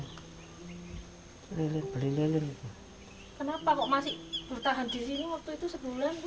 masih bertahan di sini waktu itu sebulan